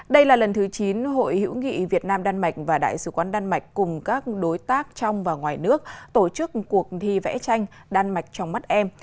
đây là lần thứ chín hội hữu nghị việt nam đan mạch và đại sứ quán đan mạch cùng các đối tác trong và ngoài nước tổ chức cuộc thi vẽ tranh đan mạch trong mắt em